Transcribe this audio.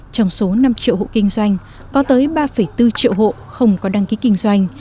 trong số năm triệu hộ kinh doanh có tới ba bốn triệu hộ không có đăng ký kinh doanh